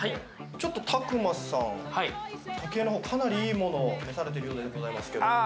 ちょっとたくまさん時計の方かなりいいものを召されてるようでございますけども。